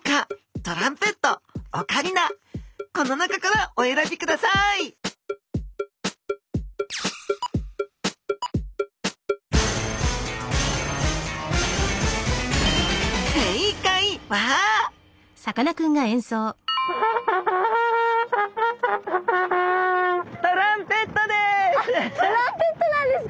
トランペットなんですか？